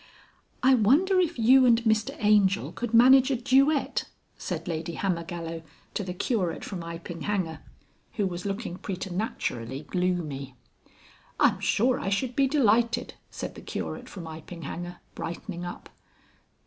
"I wonder if you and Mr Angel could manage a duet?" said Lady Hammergallow to the Curate from Iping Hanger, who was looking preternaturally gloomy. "I'm sure I should be delighted," said the Curate from Iping Hanger, brightening up.